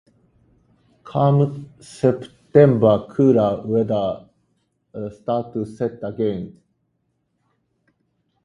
Come September, cooler weather starts to set in again.